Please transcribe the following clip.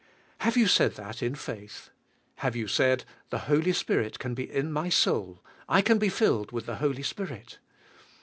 Have you said that in faith? Have you said, The Holy Spirit can be in my soul; I can be filled with the Holy Spirit?